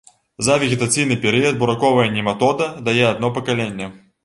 За вегетацыйны перыяд бураковая нематода дае адно пакаленне.